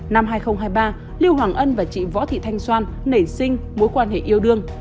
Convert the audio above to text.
năm hai nghìn hai mươi ba liêu hoàng ân và chị võ thị thanh xoan nảy sinh mối quan hệ yêu đương